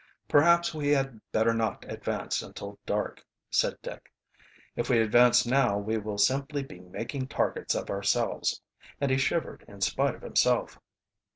"Perhaps we had better not advance until dark," said Dick. "If we advance now we will simply be making targets of ourselves," and he shivered in spite of himself.